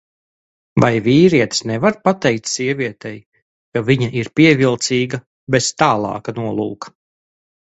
Vai vīrietis nevar pateikt sievietei, ka viņa ir pievilcīga bez tālāka nolūka?